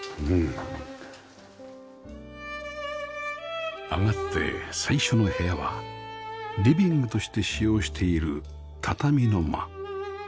上がって最初の部屋はリビングとして使用している畳の間